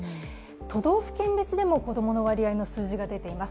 都道府県別でも子供の割合の数字が出ています。